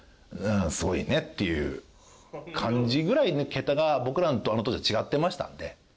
「すごいね」っていう感じぐらい桁が僕らとあの当時は違ってましたので。